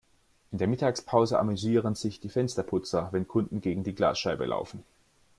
In der Mittagspause amüsieren sich die Fensterputzer, wenn Kunden gegen die Glasscheibe laufen.